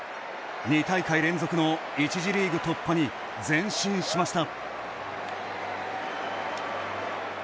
２大会連続の１次リーグ突破に前進しました。